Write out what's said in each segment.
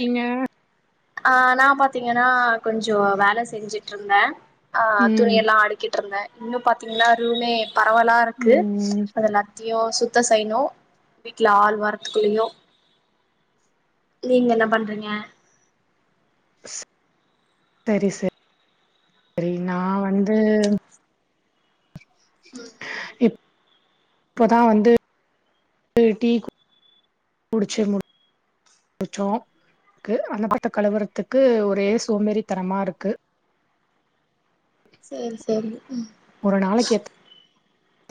கிங்க ஆ நா பாத்தீங்கன்னா கொஞ்சோ வேல செஞ்சுட்ருந்தேன் ஆ ம் துணியெல்லாம் அடுக்கிட்ருந்தேன் இன்னும் பாத்தீங்கன்னா ரூமே பரவலாருக்கு ம் அத எல்லாத்தையும் சுத்தம் செய்யணும் வீட்ல ஆள் வரதுக்குள்ளையும் நீங்க என்ன பண்றீங்க சேரி சேரி சேரி நான் வந்து இ இப்பதா வந்து டீ குடி ச்சு மு சோம் க்கு அனபத்த கலவரத்துக்கு ஒரே சோம்பேறித்தனமா இருக்கு சேரி சேரி ம் ஒரு நாளைக்கு எத்த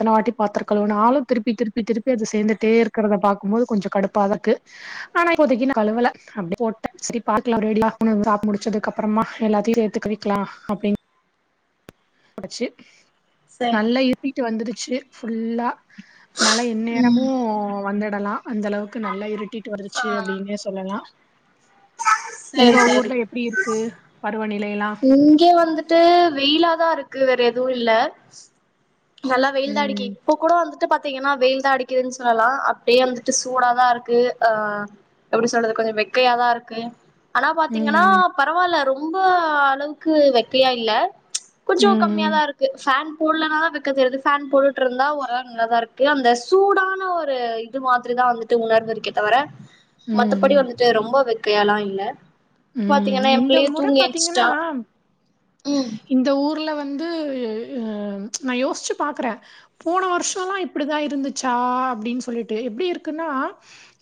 எத்தன வாட்டி பாத்திரோ கழுவுனாலு திருப்பி திருப்பி திருப்பி அது சேர்ந்துட்டே இருக்கறத பாக்குபோது கொஞ்ச கடுப்பாதா இருக்கு ஆனா இப்போதைக்கு நா கழுவல அப்டி போட்ட சரி பாக்லா ஒரேடியா சாப்ட்டு முடிச்சதுக்கப்புறமா எல்லாத்தையு சேத்துக் கழுவிக்கலா அப்படின் ச்சு சேரி நல்லா இருட்டிட்டு வந்துருச்சு ஃபுல்லா மழ எந்நேரமு ம் வந்துடலா அந்த அளவுக்கு நல்லா இருட் இருட்டிட்டு ஆ வந்துச்சு அப்டின்னே சொல்லலா சேரி உங்க சேரி ஊர்ல எப்டி இருக்கு பருவநிலைல்லா இங்க வந்துட்டு வெயிலாதா இருக்கு வேற எதுவு இல்ல நல்லா வெயில்தா அடிக்கு ம். இப்போ கூட வந்துட்டு பாத்தீங்கன்னா வெயில்தா அடிக்குதுன்னு சொல்லலா அப்டியே வந்துட்டு சூடாதா இருக்கு ஆ எப்டி சொல்றது கொஞ்ச வெக்கையாதா இருக்கு ஆனா பாத்தீங்கன்னா ம். பரவால்ல ரொம்ப அளவுக் க்கு வெக்கையா இல்ல ம். கொஞ்சோ ம். கம்மியாதா இருக்கு ஃபேன் போடலனாதா வெக் க ஃபேன் போட்டுட்டு இருந்தா ஓரளவு நல்லாதா இருக்கு அந்த சூடான ஒரு இது மாதிரிதா வந்து த்து உணர்ந்து இருக்கே தவர மத்தபடி ம். வந்துட்டு ரொம்ப வெக்கையால்லா இல்ல ம். பாத்தீங்கன்னா என் இந்த பிள்ளயே முறை தூங்கி எந்ச்சுட்டா பாத்தீங்கன்னா ம் இந்த ஊர்ல வந்து எ நா யோசிச்சு பாக்கறே போன வருஷல்லா இப்படிதா இருந்துச்சா அப்டின் சொல்லிட்டு எப்படி இருக்குன்னா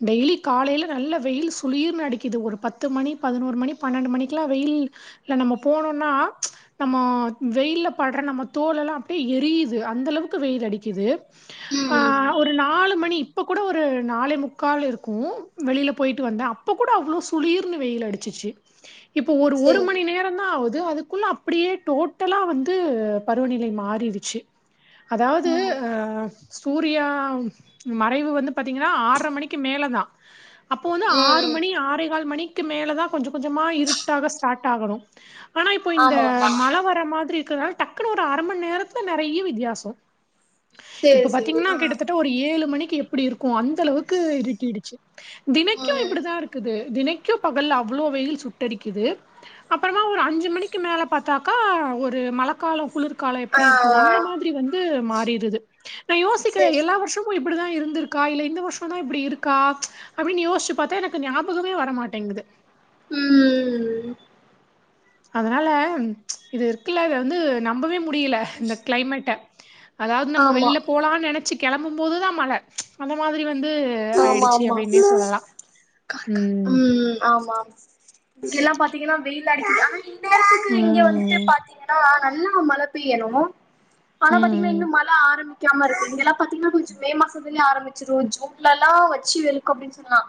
டெய்லி காலைல நல்ல வெயில் சுளீர்னு அடிக்குது ஒரு பத்து மணி பதினோரு மணி பன்னெண்டு மணிக்குல்லா வெயில்ல நம்ம போனோன்னா நம்ம வெயில்ல பட்ற நம்ம தோல் எல்லா அப்டியே எரியுது அந்த அளவுக்கு வெயில் அடிக்குது ஆ ம் ஒரு நாலு மணி இப்போ கூட ஒரு நாளே முக்கால் இருக்கும் வெளியில போயிட்டு வந்தா அப் இப்பகூட அவ்ளோ சுளிர் வெயில் அடிச்சுச்சு இப்ப ஒரு ஒரு சேரி மணி நேரம் தான் ஆவுது அதுக்குள்ள அப்டியே டோட்டலா வந்து பருவநிலை மாறிடுச்சு அதாவது ம் அ சூரியா மறைவு வந்து பாத்தீங்கன்னா ஆர்ற மணிக்கு மேலதா அப்போ வந்து ஆறு ம் மணி ஆரே கால் மணிக்கு மேலதான் கொஞ்சோ கொஞ்சமா இருட்டாக ஸ்டார்ட் ஆகணும் ஆனா இப்போ இந்த ஆமா ஆமா மழை வர மாதிரி இருக்கறதனால டக்குன்னு ஒரு அரை மணி நேரத்துல நறையா வித்தியாசம் சேரி இப்ப சேரி பாத்தீங்கன்னா ஆ கிட்டத்தட்ட ஒரு ஏழு மணிக்கு எப்டி இருக்கும் அந்த அளவுக்கு இருட்டிடுச்சு தினைக்கும் ம் இப்படித்தான் இருக்குது தினைக் கும் பகல் அவ்ளோ வெயில் சுட்டெரிக்குது அப்றமா ஒரு அஞ்சு மணிக்கு மேல பாத்தாக்கா ஒரு மலக்காலம் குளிர் கால ஆ எப்டி இருக்கும் அந்த மாதிரி வந்து மாறிடுது நா யோசிக்கிறே சேரி எல்லா சேரி வருஷம் மு இப்டிதான் இருந்திருக்கா இல்ல இந்த வருஷந்தா இப்டி இருக்கா அப்டின்னு யோசிச்சு பார்த்தா எனக்கு ஞாபகமே வரட்டேங்குது ம் ம் ம் ம் அதனால இது இருக்குல்ல இத வந்து நம்பவே முடியல இந்த க்ளைமேட்ட அதாவது நம்ம ஆமா வெளில போலானு நினைச்சு கிளம்பு போதுதா மழ அந்த மாதிரி வந்து ஆமா ஆயிடுச்சு ஆமா அப்படின்னே சொல்லலாம். ம். உம் ஆமா இங்கல்லா பாத்தீங்கன்னா வெயில் அடிக்கு ஆனா இந்த நேரத்துக்கு இங்க வந்துட்டு ம். பாத்தீங்கன்னா நல்லா மழ பெய்யணு அங்க பாத்தீங்கன்னா இன்னு ம். மழ ஆரம்பிக்காம இருக்கு இங்கல்லா பாத்தீங்கன்னா கொஞ்ச மே மாசத்துலயே ஆரம்பிச்சிடு ஜூன் லல்லா வச்சு வெளுக்கு அப்டின் சொன்னா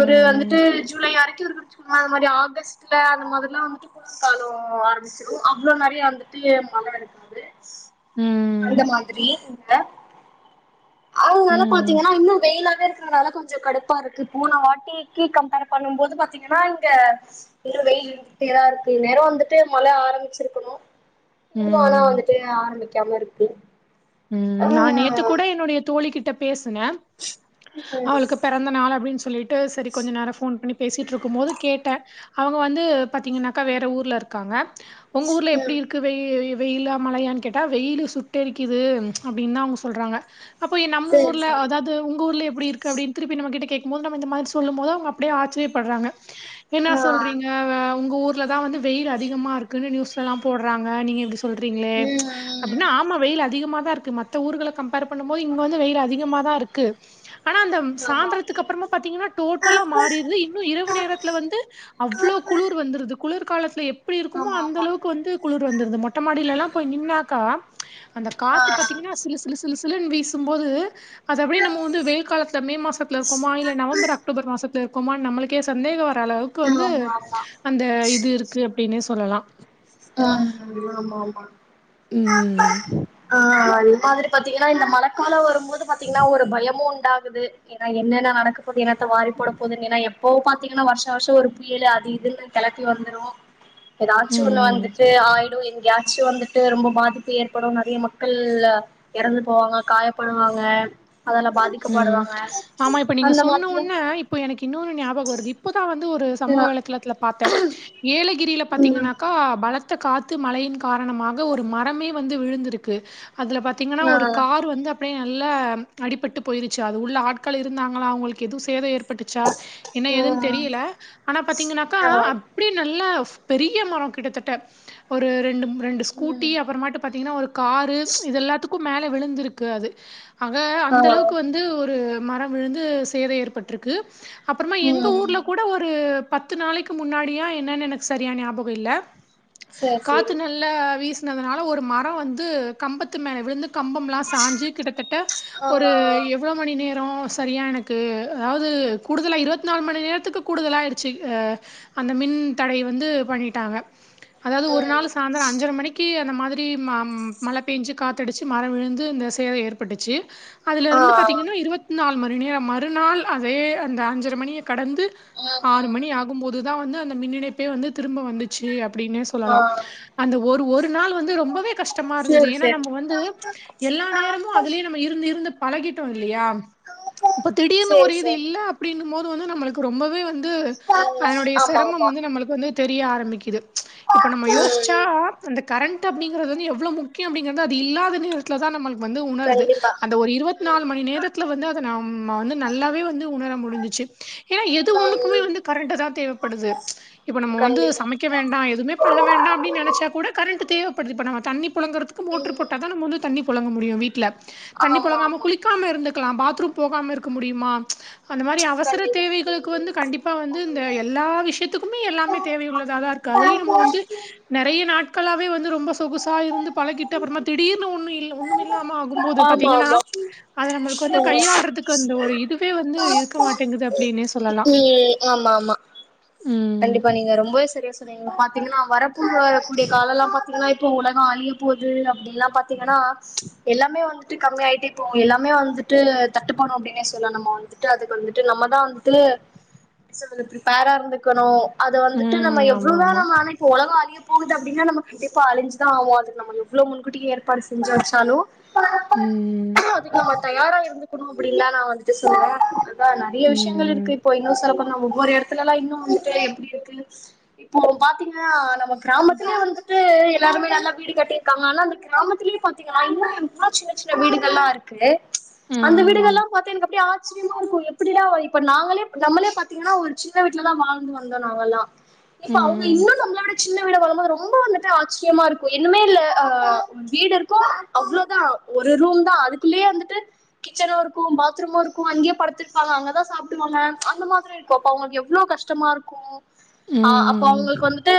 ஒரு வந்துட் ட்டு ஜூலை வரைக்கு இருந்துருச்சுங்களே மறுபடி ஆகஸ்டுல அந்த மாதிரிலா வந்துட்டு கலோ ஆரம்பிச்சிடுவோ அவ்ளோ நெறய வந்துட்டு ஏ மழ இருக்காது அந்த ம். மாதிரி அவுங்கல்லா ம். ம். பாத்தீங்கன்னா இன்னு‌ வெயிலாவே இருக்குற வழக்கோ கொஞ்சோ கடுப்பாருக்கு போன வாட்டிக்கு கம்பேர் பண்ணும் போது பாத்தீங்கன்னா இங்க இன்னும் வெயில் இருந்துட்டேதா இருக்கு இந்நேரோ வந்துட்டு மழ ஆரம்பிச்சிருக்கணும் இன்னு‌ ஆனா ம். வந்துட்டு ஆரம்பிக்காமருக்கு உம் நா நேத்து கூட என்னுடைய தோழி கிட்ட பேசனே ம் அவளுக்கு பிறந்த நாள் அப்டின்னு சொல்லிட்டு சரி கொஞ்சோ நேரோ போன் பண்ணி பேசிட்டு ருக்கும் போது கேட்டே அவுங்க வந்து பாத்தீங்கன்னாக்கா வேற ஊர்ல ருக்காங்க உங்க ஊர்ல எப்டி ம் இருக்கு வெய் வெயிலா மழையான்னு கேட்டா வெயிலு சுட்டெரிக்கு இது அப்டின்னு தா அவுங்க சொல்றாங்க அப்போ நம்ம சேரி ஊர்ல சேரி அதாவது இது உங்க ஊர்ல எப்டி இருக்கு அப்டி திருப்பி நம்மகிட்ட கேக்கும்போது நம்ம இந்த மாதிரி சொல்லும் போது அவுங்க அப்டியே ஆச்சரியப்படுறாங்க என்னா ஆ சொல்றீங்க உங்க ஊர்லதா வந்து வெயில் அதிகமா இருக்குன்னு நியூஸ்ல எல்லா போடுறாங்க நீங்க எப்டி சொல்றீங்களே ம் அப்டின்னா ஆமா வெயில் அ திகமா தா இருக்கு மத்த ஊர்கள கம்பேர் பண்ணும் போது இங்க வந்து வெயில் அதிகமா தா இருக்கு ஆனா அந்த சாந்திரத்துக்கு அப்புறமா பாத்தீங்கன்னா டோட்டலா மாறிடுது இன் ன்னு இரவு நேரத்துல வந்து அவ்வளோ குளிர் வந்துருது குளிர்காலத்துல எப் ப்டி இருக்குமோ ஆமா அந்த ஆமா அளவுக்கு வந்து குளிர் வந்திருது மொட்ட மாடியில எல்லாம் போய் நின்னாக்கா அந்த காத்து பாத்தீங்கன்னா சிலு சிலு சிலுன்னு வீசும்போது அது எப்டி நம்ம வந்து வெயில் காலத்துல மே மாசத்துல இருக்கோமா இல்ல நவம்பர் அக்டோபர் மாசத்துல இருக்கோமா நம்மளுக்கு க்கே சந்தேகம் வர்ற அளவுக்கு வந்து ஆமா ஆமா அந்த இது இருக்கு அப்டின்னே சொல்லலா ஆ ஆமா ஆமா உம் ஆ அது மாதிரி பாத்தீங்கன்னா இந்த மழக்காலோ வரும் போது பாத்தீங்கன்னா ஒரு பயமும் உண்டாகுது ஏன்னா என்னன்ன நடக்க போது என்னத்த வாரி போட போகுதுன்னு ஏன்னா எப்போவும் பாத்தீங்கன்னா வருஷா வருஷோ ஒரு புயல் அது இதுன்னு கலக்கி வந்துரு [unintelligible] எதாச்சு ஒண்ணான் ம் ஆயிடும் எங்காச்சும் வந்துட்டு ரொம்ப பாதிப்பு ஏற்படும் நெறைய மக்கள் அ எறந்து போவாங்க காய படுவாங்க அதுல ம் பாதிக்கப்படுவாங்க ஆமா நீங்க அந்த சொன்ன மரத்துல ஒன்ன இப்ப இப்போ எனக்கு இன்னொன்னு ஞாபகம் வருது இப்போதான் வந்து ஒரு சமூக ஆ வலைதளத்தில பாத்தேன் ஏலகிரில ம் பாத்தீங்கன்னா பலத்த காத்து மழையின் காரணமாக ஒரு மரமே வந்து விழுந்திருக்கு அதுல பாத் த்தீங்கன்னா ஆ ஒரு கார் வந்து அப்டியே நல்ல‌ அடிப்பட்டு போய்ருச்சு அது உள்ள ஆட்கள் இருந்தாங்களா அவு‌ங்களுக்கு எதுவும் சேவ ஏற் பட்டுச்சா என்ன எதுன்னு ம் தெரியல ஆனா பாத்தீங்கன்னாக்கா ஆ அப்டி நல்லா பெரிய மரோ கிட்டத்தட்ட ஒரு ரெண்டு ரெண்டு ஸ்கூட்டி ம் அப்புறமட்டும் பாத்தீங்கன்னா ஒரு காரு இது எல்லாத்துக்கும் மேல விழுந்திருக்கு அது ஆக ஆ அந்த அளவுக்கு வந்து ஒரு மரம் விழுந்து சேதை ஏற்பட்டுருக்கு அப்பறமா எங்க ம் ஊர்ல கூட ஒரு பத்து நாளைக்கு முன்னாடியா என்னன்னு எனக்கு சரியா ஞாபகம் இல்ல சேரி காத்து சேரி நல்லா வீசினதுனால ஒரு மரம் வந்து கம்பத்து மேல விழுந்து கம்பம்ல்லாம் சாஞ்சு கிட்டத்தட்ட ஆ ஒரு எவ்வளோ மணி நேரோ சரியா எனக்கு அதாவது கூடுதலா இருவத் நாலு மணி நேரத்துக்கு கூடுதலாயிடுச்சு அந்த மின் தடை வந்து பண்ணிட்டாங்க அதாவது ஒரு ம் நாள் சாயந்தர அஞ்சரை மணிக்கு கி அந்த மாதிரி மழ பேஞ்சு காத்தடிச்சு மரம் விழுந்து இந்த சேத ஏற்பட்டுச்சு அதுல இருந்து பாத்தீங்கனா இருபத் நாலு மணி நேர மறுநாள் அதே அந்த அஞ்சரை மணிய கடந்து ஆறு மணி ஆக ங்கு போதுதா வந்து அந்த மின் இணைப்பே வந்து திரும்ப வந்துச்சு அப்படின் சொல்ல சொல்லலா அந்த ஒரு ஒரு நாள் வந்து ரொம்பவே கஷ்டமா இருந்தது சேரி ஏன்னா நம்ம வந்து எல்லா சேரி நேரமு அதுலயே ந இருந்து இருந்து பழகிட்டோ இல்லயா இப்ப திடீர்னு சேரி ஒரு இது சேரி இல்ல அப்படின் போது வந்து நம்மளுக்கு ரொம்பவே வந்து ம் அதனுடைய ஆமா சிரமம் ஆமா வந்து நம்ம வந்து தெரிய ஆரம்பிக்குது இப்ப நம்ம யோசிச்சா அந்த கரண்ட் அப்படிங்கிறது வந்து எவ்ளோ முக்கிய அப்படிங்கிறது அது இல்லாத நேரத்தில தா நம்மளுக் வந்து உணர்து கண்டிப்பா அந்த ஒரு இருபத் நாலு மணி நேரத்ல வந்து அத நம்ம வந்து நல்லாவே வந்து உணர முடிஞ்ச்சு ஏன்னா எது ஒண்ணுக்குமே ம் வந்து கரண்ட் தா தேவைப்படுது இப்ப நம்ம வந்து கண்டிப்பா சமைக்க வேண்டா எதுமே பண்ண வேண்டா அப்டின் நெனைச்சா கூட கரண்ட் தேவைப்படுது இப்ப நம்ம தண்ணி புழங்குறதுக்கு மோ்ட்டரு போட்டா ம் தா நம்ம வந்து தண்ணி புழங்க முடியு வீட்ல தண்ணி ஆமா புழங்காம ஆமா குளிக்காம இருந்துக்கலா பாத்ரூம் போகாம இருக்க முடியுமா அந்த மாரி அவசர இதா தேவைகளுக்கு ம் வந்து கண்டிப்பா வந்து இந்த எல்லா விஷயத்துக்குமே எல்லா மே தேவை உள்ளதா தா இருக்கு அதுலயு நம்ம ஆமா வந்து நெறய நாட்களாவே வந்து ரொம்ப சொகுசா இருந்து பழகிட்டு அப்பறமா திடீர்னு ஒன்னும் இல் ஒன்னும் இல்லாம ஆகு போது ஆமா பாத்தீங்கனா அத நம்மளுக்கு வந்து கையாளுறதுக்கு அந்த ஒரு இதுவே வந்து இருக்க மாட்டேங்குது அப்படின்னே சொல்லலா ம் ஆமா மா கண்டிப்பா நீங்க ரொம்பவே சரியா சொன்னீங்க பாத்தீங்கன்னா வரப்பு வரக்க கூடிய காலல்லா பாத்தீங்கனா இப்போ உலக அழிய பொது அப்டின்ல்லா பாத்தீங்கனா எல்லாமே வந்துட்டு கம்மி ஆயிட்டே போவு எல்லாமே வந்துட்டு தட்டு படு அப்படின்னே சொல்ல நம்ம வந்து வந்துட்டு அதுக்கு வந்துட்டு நம்மதா வந்துட்டு பேரா இருந்து க்கணு அத வந்துட்டு நம்ம ம். எவ்ளோ ஆமா, தா ஆமா. நம்ம அனைப்போ உலகம் அழிய போ கூட்டு அப்டின்னா நம்ம கண்டிப்பா அழிஞ்சு தா ஆவோ அது நம்ம எவ்ளோ முன்கூட்டி ஏற்பாடு செஞ்சு வச்சாலு ம். அதுக்கு நம்ம தயாரா இருந்துக்கணு அப்டின்லா நா வந்துட்டு சொல்லல ப நெறய விஷயங்கள் ம். இருக்கு இப்போ இன்னு சொல்லப்போன ஒவ்வொரு இடத்துலல்லா இன்னு எப்படி இருக்கு இப்போ பாத்தீங்கனா நம்ம கிராமத்திலே வந்து [unintelligible] எல்லாருமே நல்லா வீடு கட்டிருக்காங்க ஆனாந்த கிராமத்திலயே பாத்தீங்கனா இன்னு சின்ன சின்ன வீடுகள்ல்லா இருக்கு க்ளே அந்த வீடுகல்லா ம். பாத்து எனக்கு அப்டி ஆச்சரியமாருக்கு எப்டிடா இப்ப நாங்களே நம்மளே பாத்தீங்கனா ஒரு சின்ன வீட்லதா வாழ் இனி வந்தோன அவலா இப்ப அவங்க ம். இன்னு நம்மளோட சின்ன வீடவலமா ரொம்ப வந்துட்டு ஆச்சரியமாருக்கு என்னுமேயில்ல ஆ வீடுருக்கு அவ்ளோதா ஒரு ரூம் தா அதுக்குள்ளயே வந்துட்டு கிச்சனுருக்கு பாத்ரூமுருக்கு அங்கயே படுத்துப்பாங்க அங்கதா சாப்டுவாங்க அந்த மாதிரி இருக்கு அப்ப அவங்களுக்கு எவ்ளோ கஷ்டமா இருக்கு ஆ அப்ப ம். ம். அவங்களுக்கு வந்துட்டு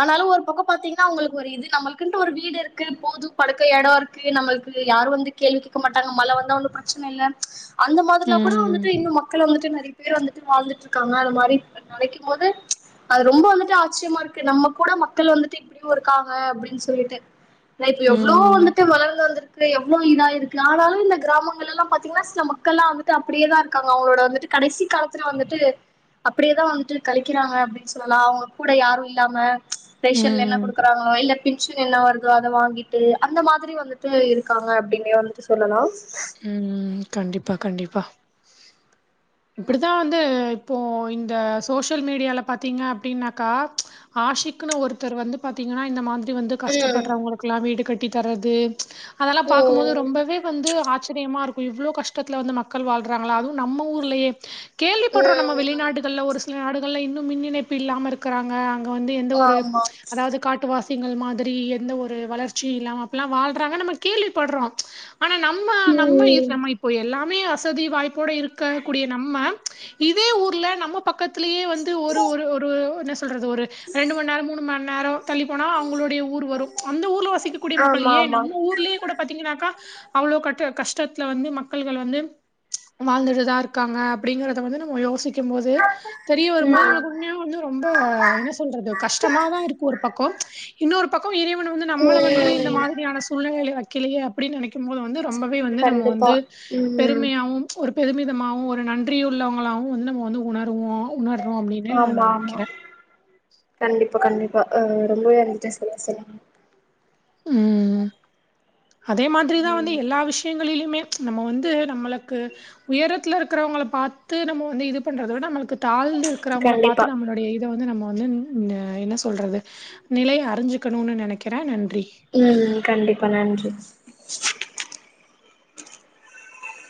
ஆனாலு ஒரு பக்க பாத்தீங்கனா அவுங்களுக்கு ஒரு இது நம்மளுக்குன்ட்டு ஒரு வீடு இருக்கு போது படுக்க எட இருக்கு நம்மளுக்கு யாரு வந்து கேள்விகேக்க மாட்டாங்க மழ வந்தா ஒன்னு பிரச்சனையில்ல அந்த மாரிலா கூட ம். வந்துட்டு இன்னும் மக்கள் வந்துட்டு நெறய பேர் வந்துட்டு வாழ்ந்துட்டுருக்காங்க அந்த மாரி நளைக்கு போது அது ரொம்ப வந்துட்டு ஆச்சரியமாருக்கு நம்ம கூட மக்கள் வந்துட்டு இப்டியு இருக்காங்க அப்டின் சொல்லிட்டு நைட்டு எவ்ளோ ம். வந்து வளர்ந்து வந்திருக்கு எவ்ளோயிதாருக்கு ஆனாலு இந்த கிராமங்களல்லா பாத்தீங்கனா சில மக்கள்லா வந்துட் அப்படியேதா இருக்காங்க அவங்ளோட வந்துட்டு கடைசி காலத்ல வந்துட்டு அப்படியேதா வந்துட்டு களிக்கிறாங்க அப்டின்னு சொல்லலா அவுங்க கூட யாருயில்லாம ரேஷன்ல என்ன ம். குடுக்குறாங்களோ இல்ல பென்ஷன் என்ன வருதோ அத வாங்கிட்டு அந்த மாதிரி வந்துட்டு இருக்காங்க அப்படின்னே வந்துட்டு சொல்லலா ம் கண்டிப்பா கண்டிப்பா இப்படித்தா வந்து இப்போ இந்த சோசியல் மீடியால பாத்திங்க அப்டின்னாக்கா ஆஷிக்குனு ஒருத்தர் வந்து பாத்திங்கன்னா இந்த மாதிரி வந்து ம் கஷ்டப்படுறவங்ளுக்கெல்லா வீடு கட்டி தற்து அதெல்லா பாக்கும்போது ம் ரொம்பவே வந்து ஆச் சரியமா இருக்கு இவ்ளோ கஷ்டத்துல வந்து மக்கள் வாழ்றாங்கள அது நம்ம ஊர்லயே கேள்விப்படுறோ நம்ம ம் வெளிநாடுகள்ல ஒரு சில நாடுகள்ல இன்னு மின் இணைப்பு இல்லாம இருக்குறாங்க வந்து எந்த ஒரு ஆமா அதாவ்து காட்டு வாசிங்கள் மாதிரி எந்த ஒரு வளர்ச்சியில்லாம அப்டில்லா வாழ்றாங்க நம்ம கேள்விப்பட்றோ ஆனா நம்ம நம்ம நம்மயிப்போ எல்லாமே வசதி வாய்ப்போட இருக்க கூடிய நம்ம இதே ஊர்ல நம்ம பக்கத்தலியே வந்து ஒரு ஒரு ஒரு என்ன சொல்றது ஒரு ரெண்டு மண் நேரோ மூணு மண் நேரோ தள்ளி போனா அவுங்களுடைய ஊர் வரு அந்த ஊர்ல வசிக்கக்க கூடிய மக்கள் ஆமா ஏ ஆமா நம்ம ஊர்லயே கூட பாத்திங்கன்னாக்கா அவ்ளோ கட் கஷ்டத்துல வந்து மக்கள்கள் வந்து வாழ்ந்துட்டுதா இருக்காங்க அப்டிங்றத வந்து நம்ம யோசிக்க போது தெரிய ம் வரும்போது நமக்கு உண்மையாவே வந்து ரொம்ப என்ன சொல்றது கஷ்டமாதா இருக்கு ஒரு பக்கோ இன்னொரு பக்கோ இறைவன் வந்து ம் நம்மள வந்து இந்த மாதிரியான சூழ்நிலைல வைக்கலையே அப்டின்னு நெனைக்கு போது வந்து ரொம்பவே வந்து நம்ம கண்டிப்பா வந்து ம் பெருமையாவு ஒரு பெருமிதமாவு ஒரு நன்றியுள்ளவங்ளாவு வந்து நம்ம வந்து உணர்வோ ஆமா ஆமா கண்டிப்பா கண்டிப்பா ரொம்பவே அ வந்துட்டு [unintelligible] ம் ம் அதே மாதிரிதா வந்து எல்லா விஷ் யங்களிலியுமே நம்ம வந்து நம்மளுக்கு உயரத்துலருக்கிறவங்கள பாத்து நம்ம வந்து யிது பண்றத விட நம்மளுக்கு தாழ்ந்துருக்கிறவங்கள கண்டிப்பா பாத்து நம்மளுடைய இத வந்து நம்ம வந்து என்ன சொல்றது நிலய அறிஞ்சுக்கணுன்னு நெனைக்கிறே நன்றி ம் கண்டிப்பா நன்றி